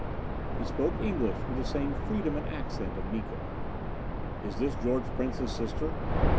He spoke English with the same freedom and accent of Miko. "Is this George Prince's sister?"